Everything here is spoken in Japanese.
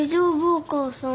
お母さん。